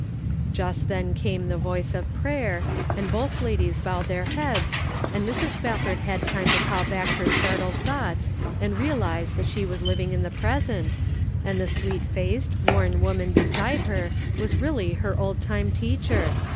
Just then came the voice of prayer, and both ladies bowed their heads, and Mrs. Spafford had time to call back her startled thoughts and realize that she was living in the present, and the sweet faced, worn woman beside her was really her old time teacher.